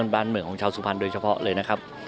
ของบ้านเมืองของเฉาสุพรรณบุรีเฉพาะเลยนะครับ